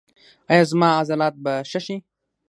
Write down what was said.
ایا زما عضلات به ښه شي؟